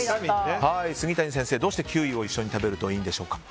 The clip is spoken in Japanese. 杉谷先生、どうしてキウイを一緒に食べるといいんでしょうか。